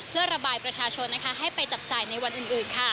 เพื่อระบายประชาชนให้ไปจับจ่ายในวันอื่น